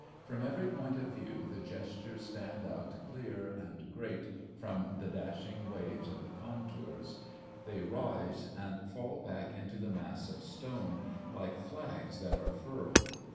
From every point of view the gestures stand out clear and great from the dashing waves of the contours; they rise and fall back into the mass of stone like flags that are furled.